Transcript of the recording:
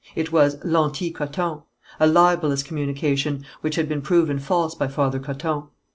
It was L'Anticoton, a libellous communication, which had been proven false by Father Coton.